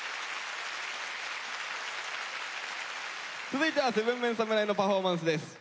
続いては７ＭＥＮ侍のパフォーマンスです。